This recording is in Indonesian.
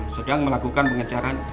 sedang melakukan pengecaran